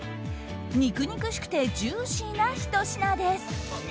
肉々しくてジューシーな一品です。